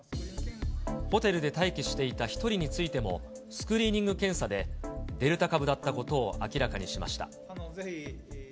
ホテルで待機していた１人についても、スクリーニング検査で、デルタ株だったことを明らかにしました。